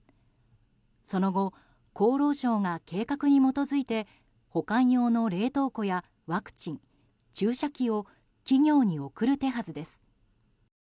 その後、厚労省が計画に基づいて保管用の冷凍庫やワクチン注射器を企業に送る手はずです。